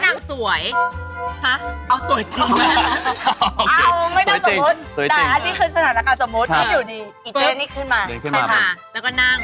นี่อยู่ดีอีเจนนี่ขึ้นมาแผ่นผาแล้วก็นั่ง